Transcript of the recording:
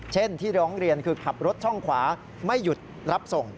เช่นที่ร้องเรียนคือขับรถช่องขวาไม่หยุดรับส่ง